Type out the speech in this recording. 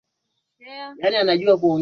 katibu mkuu wa shirika hilo bliz limpen